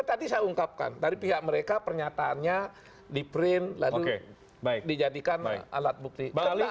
tadi saya ungkapkan dari pihak mereka pernyataannya di print lalu dijadikan alat bukti